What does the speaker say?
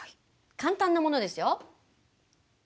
簡単なものですよ。